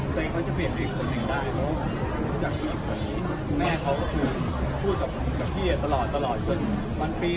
เตยเขาจะเปลี่ยนเป็นอีกส่วนหนึ่งได้